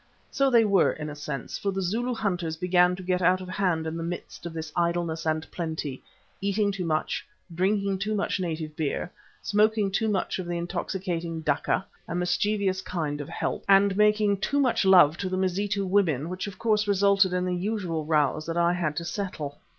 So they were, in a sense, for the Zulu hunters began to get out of hand in the midst of this idleness and plenty, eating too much, drinking too much native beer, smoking too much of the intoxicating dakka, a mischievous kind of hemp, and making too much love to the Mazitu women, which of course resulted in the usual rows that I had to settle.